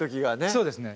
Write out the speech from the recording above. そうですね